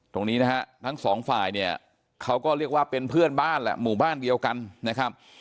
ตรงนี้นะฮะทั้งสองฝ่ายเนี่ยเขาก็เรียกว่าเป็นเพื่อนบ้านแหละหมู่บ้านเดียวกันนะครับ